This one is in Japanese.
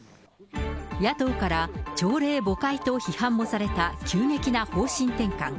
野党から朝令暮改と批判もされた急激な方針転換。